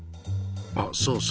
あっそうそう。